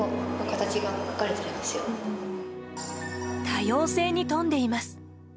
多様性に富んでいます。